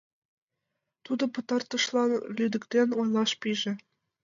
Тудо пытартышлан лӱдыктен ойлаш пиже.